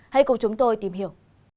hãy cùng chúng tôi tìm hiểu